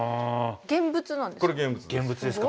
現物なんですか？